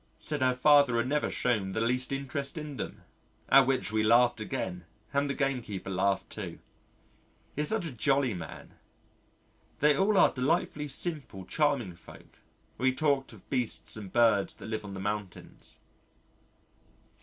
said her father had never shewn the least interest in them at which we laughed again, and the gamekeeper laughed too. He is such a jolly man they all are delightfully simple, charming folk and we talked of Beasts and Birds that live on the mountains.